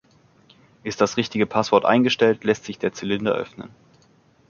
Ist das richtige Passwort eingestellt, lässt sich der Zylinder öffnen.